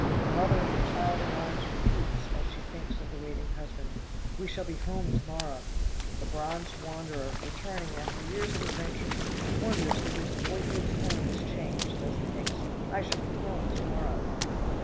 The mother with child in arms repeats, as she thinks of the waiting husband, "We shall be home to morrow!" The bronzed wanderer, returning after years of adventure, wonders if his boyhood's home is changed, as he thinks, "I shall be home to morrow!"